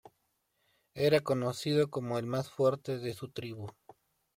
Era conocido como el más fuerte de su tribu.